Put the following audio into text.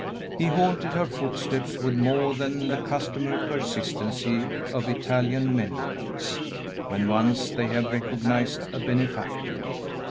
He haunted her footsteps with more than the customary persistency of Italian mendicants, when once they have recognized a benefactor.